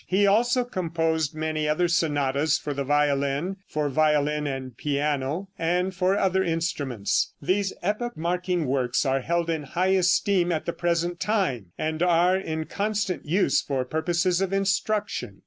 He also composed many other sonatas for the violin, for violin and piano, and for other instruments. These epoch marking works are held in high esteem at the present time, and are in constant use for purposes of instruction.